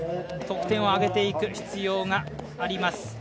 得点を上げていく必要があります。